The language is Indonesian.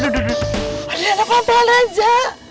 ada yang ngepampek aja